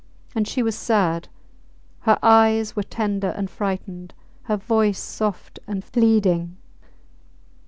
And she was sad! Her eyes were tender and frightened; her voice soft and pleading.